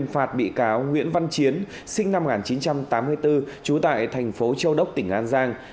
phạt bị cáo nguyễn văn chiến sinh năm một nghìn chín trăm tám mươi bốn trú tại thành phố châu đốc tỉnh an giang